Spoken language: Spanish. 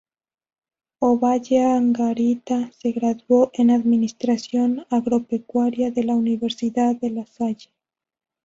Ovalle Angarita se graduó en Administración Agropecuaria de la Universidad de La Salle.